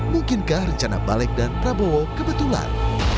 mungkinkah rencana balik dan prabowo kebetulan